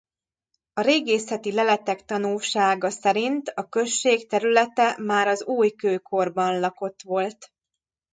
A régészeti leletek tanúsága szerint a község területe már az újkőkorban lakott volt.